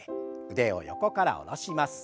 腕を横から下ろします。